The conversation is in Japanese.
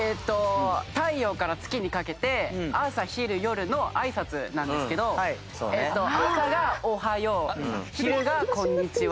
太陽から月にかけて朝昼夜のあいさつなんですけど朝が「おはよう」昼が「こんにちは」